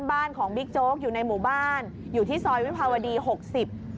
บ้านของบิ๊กโจ๊กอยู่ในหมู่บ้านอยู่ที่ซอยวิภาวดีหกสิบ